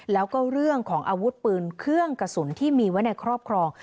แล้วก็เรื่องของอาวุธปืนเครื่องกระสุนที่มีไว้ในครอบครอง